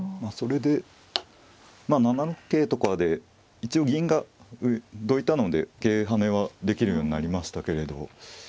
それで７六桂とかで一応銀がどいたので桂跳ねはできるようになりましたけれど。